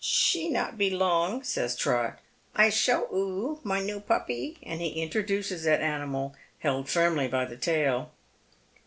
" Slie not be long," says Trot. " I'll show oo my noo puppy ;" and he introduces that animal, held firmly by the tail.